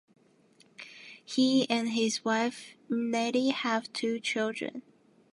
He and his wife Nettie have two children.